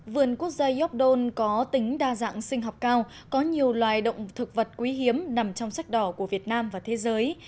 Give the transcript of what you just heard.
vườn quốc gia york don có tính đa dạng sinh học cao có nhiều loài động thực vật quý hiếm nằm trong sách đỏ của việt nam và thế giới